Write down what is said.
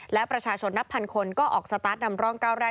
และประชาชนนับพันคนก็ออกสตาร์ทนำร่องเก้าไร่